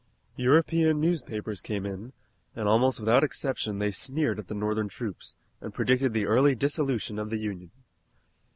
European newspapers came in, and almost without exception they sneered at the Northern troops, and predicted the early dissolution of the Union.